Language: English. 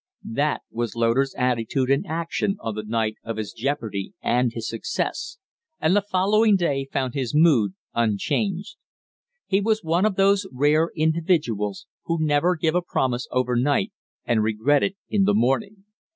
That was Loder's attitude and action on the night of his jeopardy and his success, and the following day found his mood unchanged. He was one of those rare individuals who never give a promise overnight and regret it in the morning.